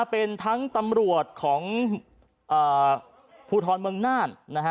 เป็นทั้งตำรวจของภูทรเมืองน่าน